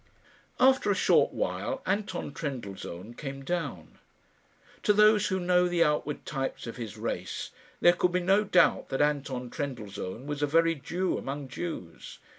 After a short while Anton Trendellsohn came down. To those who know the outward types of his race there could be no doubt that Anton Trendellsohn was a very Jew among Jews.